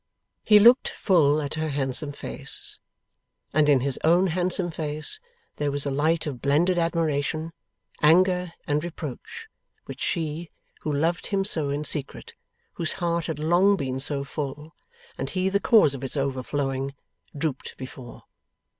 He looked full at her handsome face, and in his own handsome face there was a light of blended admiration, anger, and reproach, which she who loved him so in secret whose heart had long been so full, and he the cause of its overflowing drooped before.